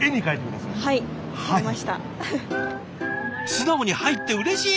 素直に「はい」ってうれしい！